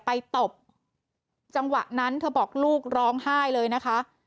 ตบจังหวะนั้นเธอบอกลูกร้องไห้เลยนะคะ